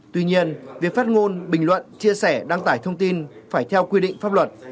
tuy nhiên việc phát ngôn bình luận chia sẻ đăng tải thông tin phải theo quy định pháp luật